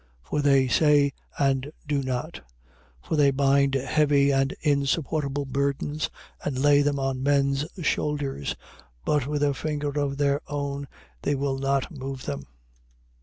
For they say, and do not. 23:4. For they bind heavy and insupportable burdens and lay them on men's shoulders: but with a finger of their own they will not move them.